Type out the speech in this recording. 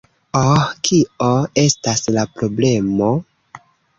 Oh, kio estas la problemo?